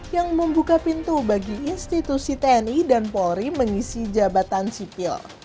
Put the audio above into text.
yang membuka pintu bagi institusi tni dan polri mengisi jabatan sipil